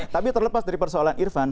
tapi terlepas dari persoalan irfan